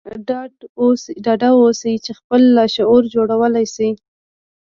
ډاډه اوسئ چې خپل لاشعور جوړولای شئ